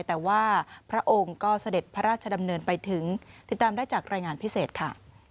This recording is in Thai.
แต่ว่าพระองค์ก็เสด็จพระราชดำเนินไปถึงติดตามได้จากรายงานพิเศษค่ะ